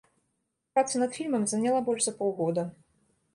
Праца над фільмам заняла больш за паўгода.